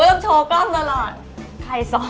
ก็ต้องโชว์กล้องตลอดใครสอน